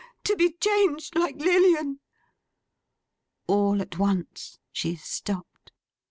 To be changed like Lilian!' All at once she stopped.